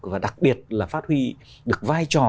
và đặc biệt là phát huy được vai trò